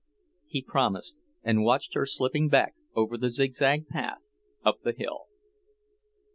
He promised, and watched her slipping back over the zigzag path up the hill.